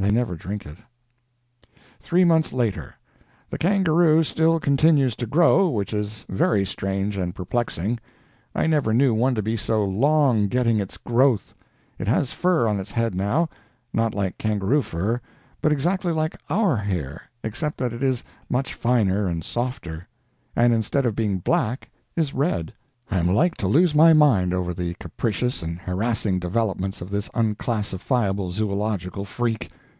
They never drink it. THREE MONTHS LATER. The Kangaroo still continues to grow, which is very strange and perplexing. I never knew one to be so long getting its growth. It has fur on its head now; not like kangaroo fur, but exactly like our hair except that it is much finer and softer, and instead of being black is red. I am like to lose my mind over the capricious and harassing developments of this unclassifiable zoological freak.